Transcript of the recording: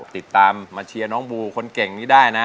ติดตามมาเชียร์น้องบูคนเก่งนี้ได้นะ